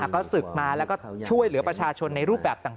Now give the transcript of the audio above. ก็ศึกมาแล้วก็ช่วยเหลือประชาชนในรูปแบบต่าง